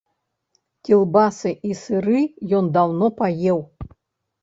Кілбасы і сыры ён даўно паеў.